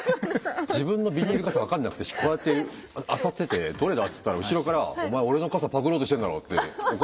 自分のビニール傘分かんなくてこうやってあさってて「どれだ？」っつったら後ろから「お前俺の傘パクろうとしてんだろ」って怒られた経験があって。